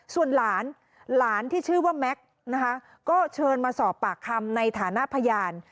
ส่วนหลานหลานที่ชื่อว่าแม็กซ์นะคะก็เชิญมาสอบปากคำในฐานะพยาน